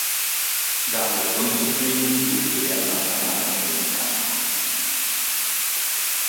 Damit unzufrieden suchte er nach einer anderen Kampfkunst.